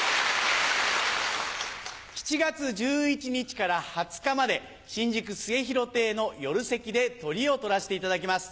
７月１１日から２０日まで新宿末廣亭の夜席でトリを取らせていただきます。